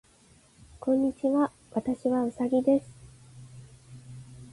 こんにちは。私はうさぎです。